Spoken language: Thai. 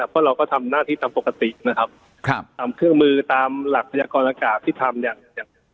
เพราะเราก็ทำหน้าที่ตามปกตินะครับทำเครื่องมือตามหลักพยากรอากาศที่ทำเนี่ย